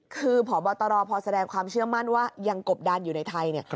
คือพบตรพอแสดงความเชื่อมั่นว่ายังกบดันอยู่ในไทยเนี่ย